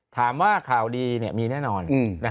ถามว่าข่าวดีมีแน่นอน